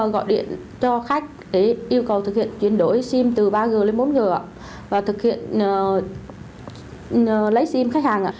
gọi điện cho khách để yêu cầu thực hiện chuyển đổi sim từ ba g lên một g và thực hiện lấy sim khách hàng